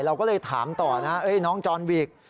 เราก็เลยถามต่อนะน้องจอนวิก